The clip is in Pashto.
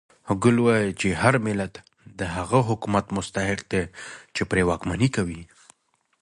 هګل وایي چې هر ملت د هغه حکومت مستحق دی چې پرې واکمني کوي.